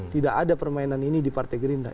tidak ada permainan ini di partai gerindra